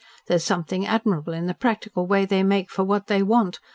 "There's something admirable in the practical way they make for what they want.